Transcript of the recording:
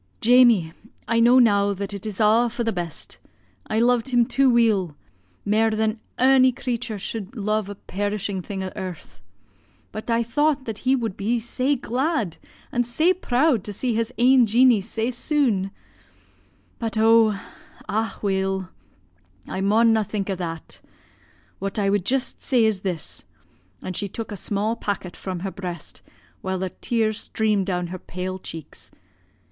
'Jamie, I know now that it is a' for the best; I lo'ed him too weel mair than ony creature sud lo'e a perishing thing o' earth. But I thought that he wud be sae glad an' sae proud to see his ain Jeanie sae sune. But, oh! ah, weel! I maun na think o' that; what I wud jist say is this,' an' she took a sma' packet fra' her breast, while the tears streamed down her pale cheeks.